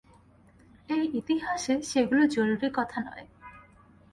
এই ইতিহাসে সেগুলো জরুরি কথা নয়।